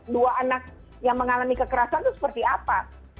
dua anak yang mengalami kekerasan itu seperti apa